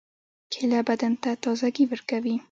کېله بدن ته تازګي ورکوي.